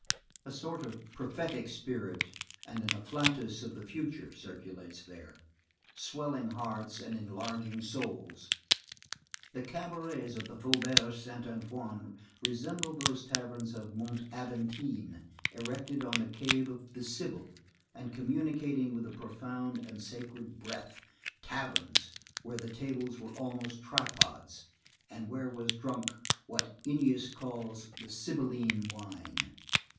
A sort of prophetic spirit and an afflatus of the future circulates there, swelling hearts and enlarging souls. The cabarets of the Faubourg Saint Antoine resemble those taverns of Mont Aventine erected on the cave of the Sibyl and communicating with the profound and sacred breath; taverns where the tables were almost tripods, and where was drunk what Ennius calls the sibylline wine.